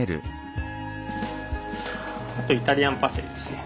あとイタリアンパセリですね。